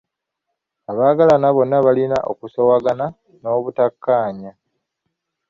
Abaagalana bonna balina okusoowagana n'obutakkaanya.